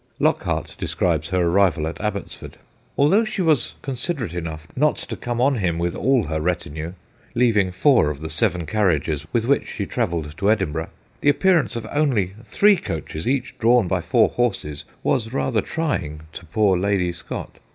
Lock hart describes her arrival at Abbotsford. ' Although she was considerate enough not to come on him with all her retinue (leaving four of the seven carriages with which she travelled to Edinburgh), the appearance of only three coaches, each drawn by four horses, was rather trying to poor Lady Scott.